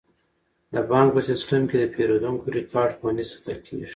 د بانک په سیستم کې د پیرودونکو ریکارډ خوندي ساتل کیږي.